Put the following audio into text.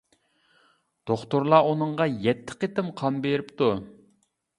دوختۇرلار ئۇنىڭغا يەتتە قېتىم قان بېرىپتۇ.